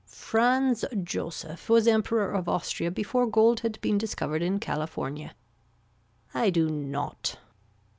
Franz Joseph was Emperor of Austria before gold had been discovered in California. I do not.